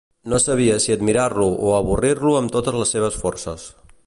No sabia si admirar-lo o avorrir-lo amb totes les seves forces.